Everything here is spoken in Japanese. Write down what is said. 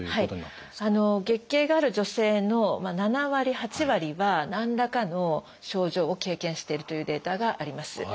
月経がある女性の７割８割は何らかの症状を経験しているというデータがあります。